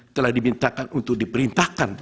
telah dimintakan untuk diperintahkan